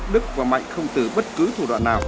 đức và mạnh không từ bất cứ thủ đoạn nào